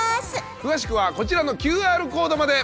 詳しくはこちらのＱＲコードまで！